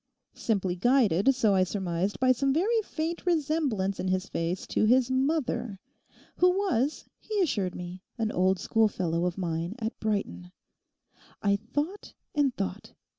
Simply guided, so I surmised, by some very faint resemblance in his face to his mother, who was, he assured me, an old schoolfellow of mine at Brighton. I thought and thought.